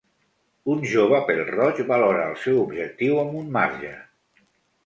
Un jove pèl-roig valora el seu objectiu amb un marge.